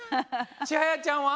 ちはやちゃんは？